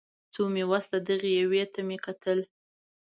څو مې وس و دغې یوې ته مې کتل